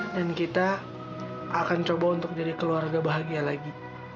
dan kita akan coba untuk jadi keluarga bahagia lagi